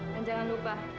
dan jangan lupa